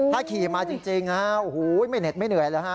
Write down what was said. ถ้าขี่มาจริงไม่เหน็ดไม่เหนื่อยเลยฮะ